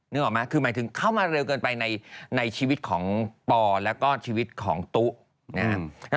นึกออกไหมคือหมายถึงเข้ามาเร็วเกินไปในชีวิตของปอแล้วก็ชีวิตของตุ๊นะครับ